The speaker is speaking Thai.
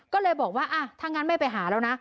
ก็เลยบอกว่าถ้างั้นไม่ไปหาแล้วนะ